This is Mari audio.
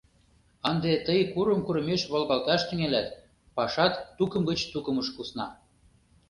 Ынде тый курым-курымеш волгалташ тӱҥалат, пашат тукым гыч тукымыш кусна».